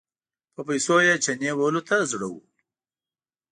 په پیسو یې چنې وهلو ته زړه و.